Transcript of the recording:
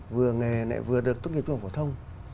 vừa nghề lại vừa được tốt nghiệp trung học phổ thông